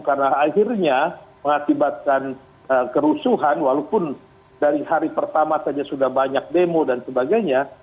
karena akhirnya mengakibatkan kerusuhan walaupun dari hari pertama saja sudah banyak demo dan sebagainya